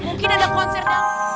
mungkin ada konser